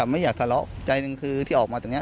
ไม่อยากทะเลาะใจหนึ่งคือที่ออกมาตรงนี้